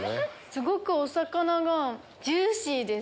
すごくお魚がジューシーです。